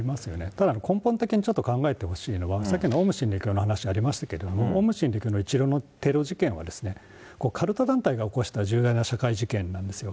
ただ根本的にちょっと考えてほしいのは、さっきのオウム真理教の話もありましたけれども、オウム真理教の一連のテロ事件は、カルト団体が起こした重大な社会事件なんですよ。